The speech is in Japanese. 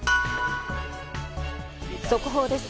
速報です。